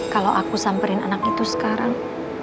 kalau aku samperin anak itu sekarang